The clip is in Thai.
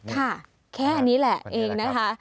ค่ะแค่นี้แหละเองนะคะ